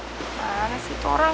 gak tau masih itu orang